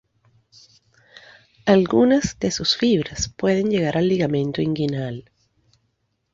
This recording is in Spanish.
Algunas de sus fibras pueden llegar al ligamento inguinal.